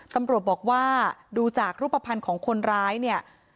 ตำรวจบอกว่าดูจากรูปภัณฑ์ของคนร้ายเนี่ย